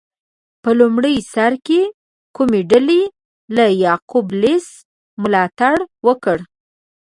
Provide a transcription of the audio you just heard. په لومړي سر کې کومې ډلې له یعقوب لیث ملاتړ وکړ؟